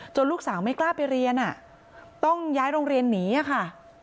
ลูกสาวไม่กล้าไปเรียนต้องย้ายโรงเรียนหนีค่ะ